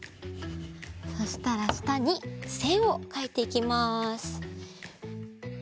そしたらしたにせんをかいていきます。